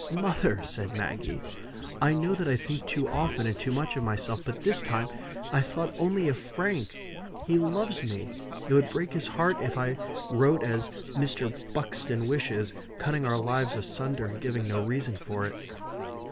"Mother!" said Maggie, "I know that I think too often and too much of myself. But this time I thought only of Frank. He loves me; it would break his heart if I wrote as Mr. Buxton wishes, cutting our lives asunder, and giving no reason for it."